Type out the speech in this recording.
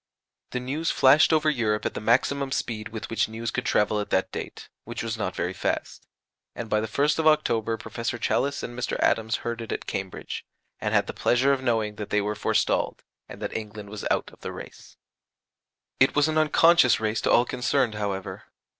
The news flashed over Europe at the maximum speed with which news could travel at that date (which was not very fast); and by the 1st of October Professor Challis and Mr. Adams heard it at Cambridge, and had the pleasure of knowing that they were forestalled, and that England was out of the race. It was an unconscious race to all concerned, however.